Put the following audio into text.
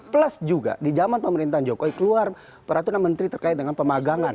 plus juga di zaman pemerintahan jokowi keluar peraturan menteri terkait dengan pemagangan